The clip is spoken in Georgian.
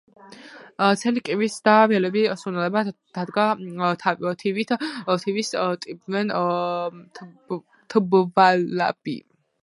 ცელი კივის და ველები სურნელება დადგა თივით, თივას ტიბვენ თბვალაბი .